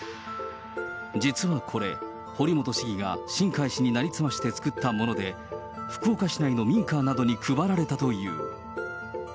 実はこれ、堀本市議が新開氏に成り済まして作ったもので、福岡市内の民家などに配られたという。